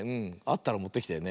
あったらもってきて。